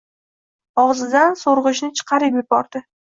Og‘zidan so‘rg‘ichni chiqarib yubordi.